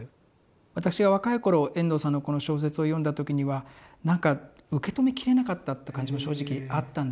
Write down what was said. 私が若い頃遠藤さんのこの小説を読んだ時にはなんか受け止めきれなかったって感じも正直あったんですね。